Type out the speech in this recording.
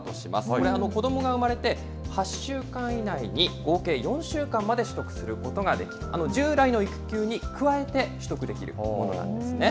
これ、子どもが産まれて８週間以内に合計４週間まで取得することができ、従来の育休に加えて取得できるものなんですね。